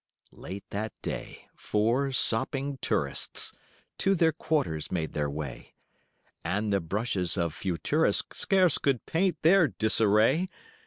Late that day four sopping tourists To their quarters made their way, And the brushes of Futurists Scarce could paint their disarray.